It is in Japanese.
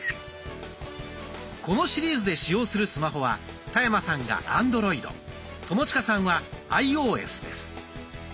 このシリーズで使用するスマホは田山さんがアンドロイド友近さんはアイオーエスです。